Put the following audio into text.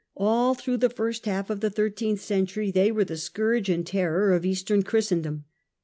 All through the first half of the thirteenth century they were the scourge and terror of Eastern Christendom.